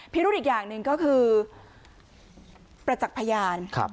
พิรุดอีกอย่างหนึ่งก็คือประจักษ์พยานครับ